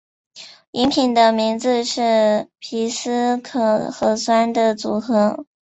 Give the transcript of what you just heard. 饮品的名字是皮斯可和酸的组合。